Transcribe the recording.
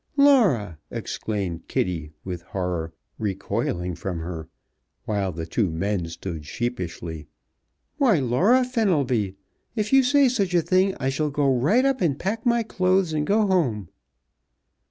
"Laura!" exclaimed Kitty, with horror, recoiling from her, while the two men stood sheepishly. "Why, Laura Fenelby! If you say such a thing I shall go right up and pack my clothes and go home!"